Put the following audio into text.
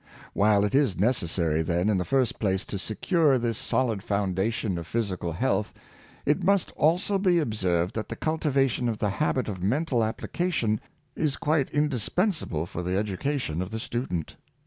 While it is necessary, then, in the first place to secure this solid foundation of physical health, it must also be observed that the cultivation of the habit of mental application is quite indispensable for the education of the student.